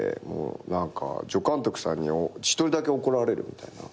何か助監督さんに１人だけ怒られるみたいな。